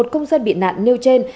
một mươi một công dân bị nạn nêu trên